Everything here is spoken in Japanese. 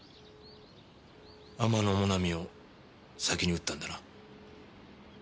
天野もなみを先に撃ったんだな？